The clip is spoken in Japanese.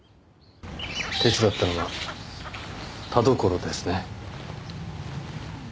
手伝ったのが田所ですね。